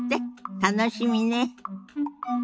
楽しみね。